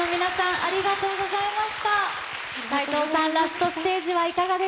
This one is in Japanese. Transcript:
ありがとうございます。